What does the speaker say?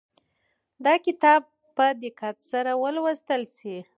دا کتاب باید په دقت سره ولوستل شي.